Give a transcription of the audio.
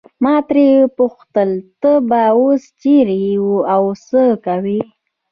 ما ترې وپوښتل ته به اوس چیرې یې او څه کوې.